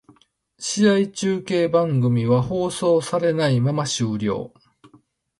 試合中継番組は放送されないまま終了